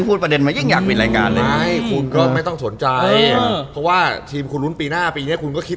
ก็เลือกเอาว่าจะไป๗๐นี่ไหมเอง